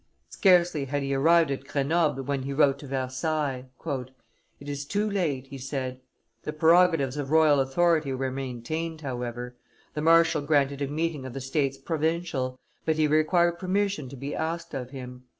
Scarcely had he arrived at Grenoble, when he wrote to Versailles. "It is too late," he said. The prerogatives of royal authority were maintained, however. The marshal granted a meeting of the states provincial, but he required permission to be asked of him.